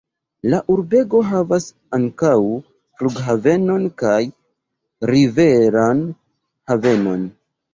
La urbego havas ankaŭ flughavenon kaj riveran havenon.